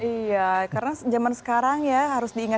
iya karena zaman sekarang ya harus diingatkan